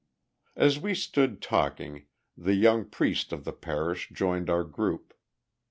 As we stood talking, the young priest of the parish joined our group.